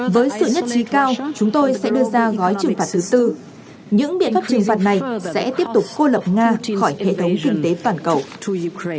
với sự nhất trí cao chúng tôi sẽ đưa ra gói trừng phạt thứ tư những biện pháp trừng phạt này sẽ tiếp tục cô lập nga khỏi hệ thống kinh tế toàn cầu